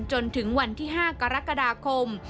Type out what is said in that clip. จนถึงวันที่๕กรกฎาคม